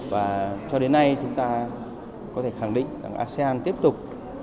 và cho đến nay chúng ta có thể khẳng định rằng asean tiếp tục